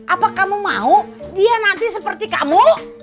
apa kamu mau dia nanti seperti kamu